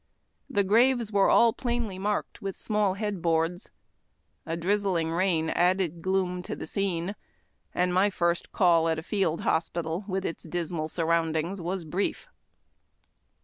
The graves were all plainly marked with small head boards. A drizzling rain added gloom to the scene ; and my first call at a field hospital, with its dismal surroundings, was brief.